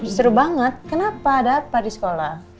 seru banget kenapa ada apa di sekolah